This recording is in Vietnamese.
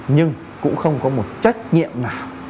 nhưng cũng không có một trách nhiệm nào